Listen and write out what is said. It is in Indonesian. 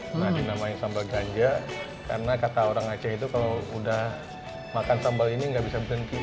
pernah dinamai sambal ganja karena kata orang aceh itu kalau udah makan sambal ini nggak bisa berhenti